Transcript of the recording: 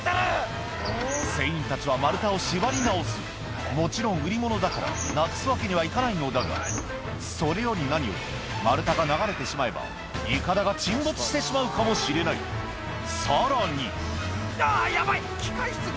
船員たちは丸太を縛り直すもちろん売り物だからなくすわけにはいかないのだがそれより何より丸太が流れてしまえばイカダが沈没してしまうかもしれないさらにあぁヤバい！